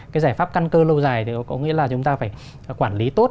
cái giải pháp căn cơ lâu dài thì có nghĩa là chúng ta phải quản lý tốt